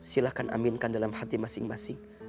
silahkan aminkan dalam hati masing masing